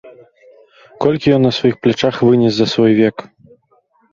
Колькі ён на сваіх плячах вынес за свой век.